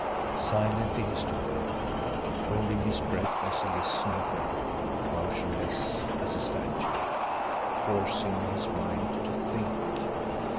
Silently he stood there, holding his breath as he listened now, motionless as a statue, forcing his mind to THINK.